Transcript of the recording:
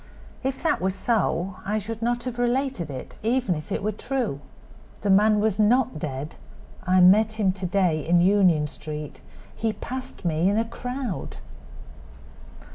If that were so I should not have related it, even if it were true. The man was not dead; I met him to day in Union street. He passed me in a crowd."